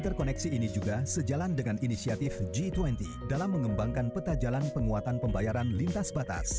sekarang akan mulai hari ini implementasi secara penuh bagian dari lima asean konektivitas